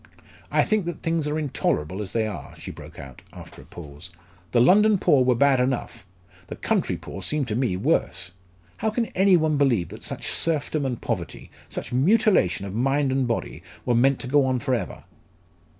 "I think that things are intolerable as they are," she broke out, after a pause. "The London poor were bad enough; the country poor seem to me worse! How can any one believe that such serfdom and poverty such mutilation of mind and body were meant to go on for ever!"